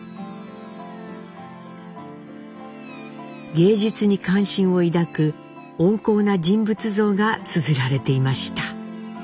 芸術に関心を抱く温厚な人物像がつづられていました。